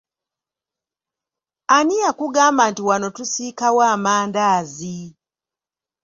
Ani yakugamba nti wano tusiikawo amandaazi?